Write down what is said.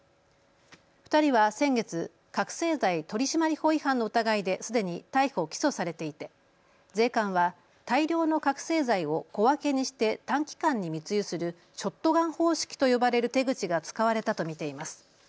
２人は先月、覚醒剤取締法違反の疑いですでに逮捕・起訴されていて税関は大量の覚醒剤を小分けにして短期間に密輸するショットガン方式と呼ばれる手口が使われたと見ています。